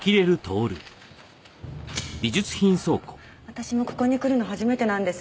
私もここに来るの初めてなんです。